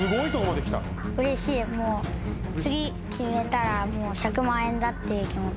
うれしいもう次決めたらもう１００万円だって気持ちで。